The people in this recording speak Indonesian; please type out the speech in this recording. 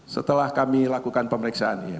setelah kami lakukan pemeriksaan